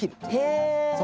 へえ！